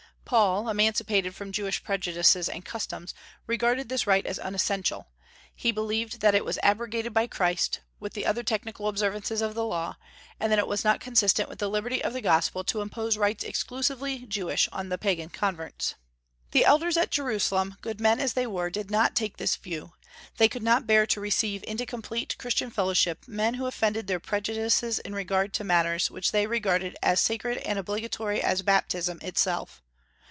Paul, emancipated from Jewish prejudices and customs, regarded this rite as unessential; he believed that it was abrogated by Christ, with other technical observances of the Law, and that it was not consistent with the liberty of the Gospel to impose rites exclusively Jewish on the Pagan converts. The elders at Jerusalem, good men as they were, did not take this view; they could not bear to receive into complete Christian fellowship men who offended their prejudices in regard to matters which they regarded as sacred and obligatory as baptism itself.